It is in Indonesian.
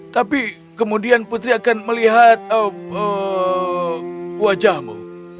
tapi kemudian putri akan melihat wajahmu